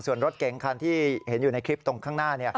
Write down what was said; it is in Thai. ส่วนรถเก๋งคันที่เห็นอยู่ในคลิปตรงข้างหน้า